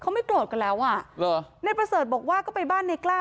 เขาไม่โกรธกันแล้วอ่ะเหรอนายประเสริฐบอกว่าก็ไปบ้านในกล้า